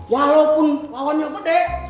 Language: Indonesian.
walaupun wawannya gede